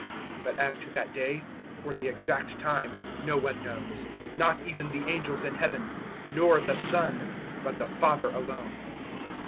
013:032 "But as to that day or the exact time no one knows not even the angels in Heaven, nor the Son, but the Father alone.